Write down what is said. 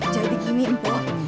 jadi gini mpok